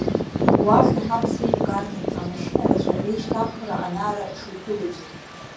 Уахь иаҳа ԥсеивгарҭан, амашьына рацәа реишьҭаххра ана-ара ишуԥылозгьы.